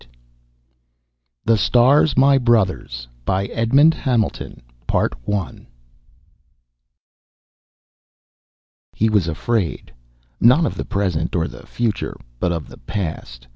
net THE STARS, MY BROTHERS By EDMOND HAMILTON Illustrated by FINLAY _He was afraid not of the present or the future, but of the past.